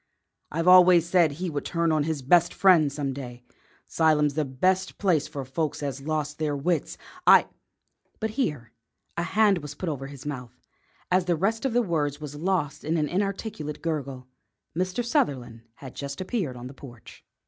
"I've always said he would turn on his best friend some day. 'Sylum's the best place for folks as has lost their wits. I " But here a hand was put over his mouth, and the rest of the words was lost in an inarticulate gurgle. Mr. Sutherland had just appeared on the porch.